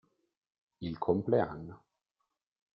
Il compleanno